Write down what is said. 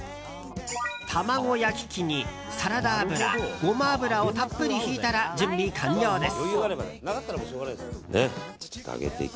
卵焼き機にサラダ油、ゴマ油をたっぷりひいたら準備完了です。